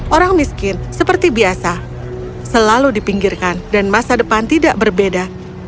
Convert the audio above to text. orang miskin seperti biasa selalu dipinggirkan dan masa depan tidak berbeda